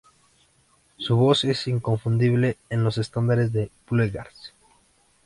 Su voz es inconfundible en los estándares del bluegrass.